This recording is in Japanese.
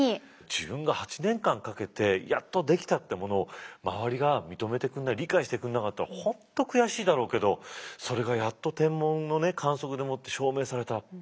自分が８年間かけてやっとできたってものを周りが認めてくんない理解してくんなかったら本当悔しいだろうけどそれがやっと天文のね観測でもって証明された。